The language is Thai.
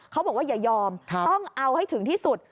เขาบอกว่าอย่ายอมต้องเอาให้ถึงที่สุด